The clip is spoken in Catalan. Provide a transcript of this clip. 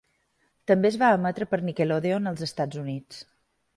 També es va emetre per Nickelodeon als Estats Units.